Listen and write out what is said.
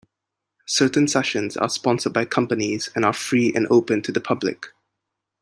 Certain sessions are sponsored by companies and are free and open to the public.